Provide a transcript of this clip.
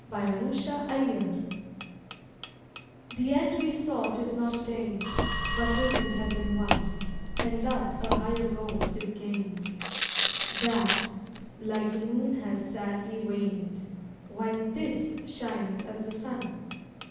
THE END WE SOUGHT The end we sought is not attained, But wisdom has been won, And thus a higher goal is gained. That like the moon has sadly waned, While this shines as the sun.